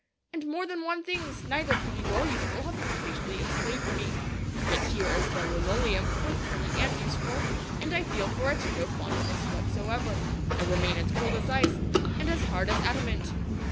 And more than once things neither pretty nor useful have completely enslaved me. Yet here is the linoleum, both pretty and useful, and I feel for it no fondness whatsoever; I remain as cold as ice, and as hard as adamant.